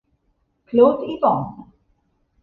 Claude Yvon